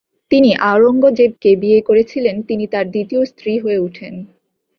তিনি আওরঙ্গজেবকে বিয়ে করেছিলেন তিনি তাঁর দ্বিতীয় স্ত্রী হয়ে উঠেন।